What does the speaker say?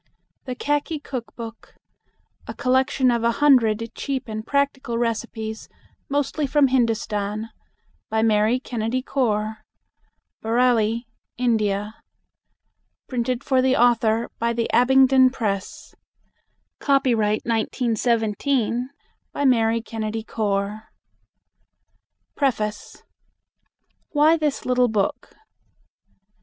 THE KHAKI KOOK BOOK A COLLECTION OF A HUNDRED CHEAP AND PRACTICAL RECIPES MOSTLY FROM HINDUSTAN. By MARY KENNEDY CORE Bareilly, India. PRINTED FOR THE AUTHOR BY THE ABINGDON PRESS Copyright, 1917, by Mary Kennedy Core. Preface. WHY THIS LITTLE BOOK.